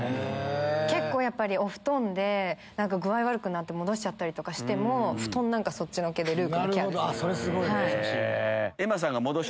結構お布団で具合悪くなって戻しちゃったりとかしても布団なんかそっちのけでルークのケアですね。